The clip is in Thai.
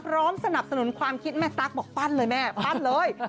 สนับสนุนความคิดแม่ตั๊กบอกปั้นเลยแม่ปั้นเลย